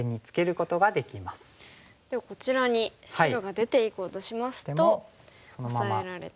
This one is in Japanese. ではこちらに白が出ていこうとしますとオサえられて。